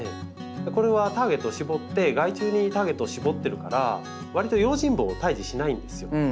これはターゲットを絞って害虫にターゲットを絞ってるからわりと用心棒を退治しないんですよ。